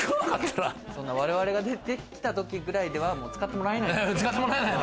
我々が出てきた時ぐらいでは使ってもらえない。